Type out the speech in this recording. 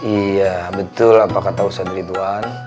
iya betul apa kata usaha dari tuhan